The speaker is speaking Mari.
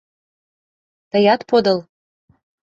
— Тыят подыл.